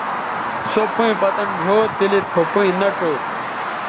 سو پئیں پتَن ڙھؤ تے لید خو پئیں نہ ڇؤ